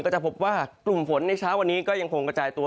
จะพบว่ากลุ่มฝนในเช้าวันนี้ก็ยังคงกระจายตัว